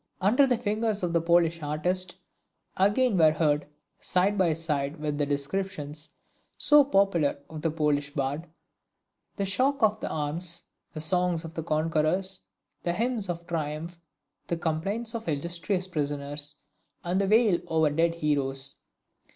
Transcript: Under the fingers of the Polish artist, again were heard, side by side with the descriptions, so popular, of the Polish bard, the shock of arms, the songs of conquerors, the hymns of triumph, the complaints of illustrious prisoners, and the wail over dead heroes.